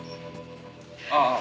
ああ。